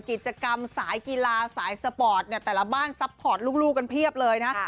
กิจกรรมสายกีฬาสายสปอร์ตเนี่ยแต่ละบ้านซัพพอร์ตลูกกันเพียบเลยนะ